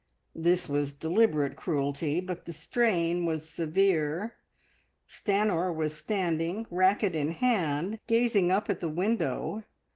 This was deliberate cruelty, but the strain was severe. Stanor was standing, racket in hand, gazing up at the window.